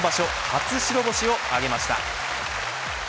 初白星を挙げました。